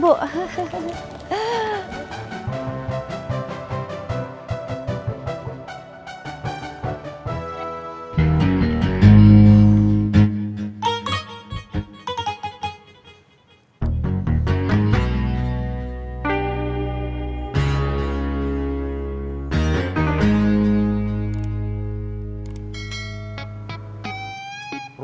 kita akan ambil ajar